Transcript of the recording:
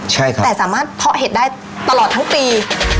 ใช่ครับแต่สามารถเพาะเห็ดได้ตลอดทั้งปี